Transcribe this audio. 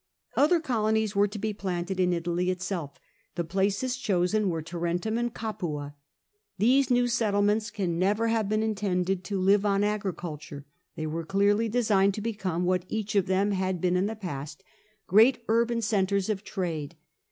Other colonies were to be planted in Italy itself : the places chosen were Tarentum and Capua. These new settlements can never have been intended to live on agriculture ; they were clearly designed to become (what each of them had been in the past) great urban centres of trade.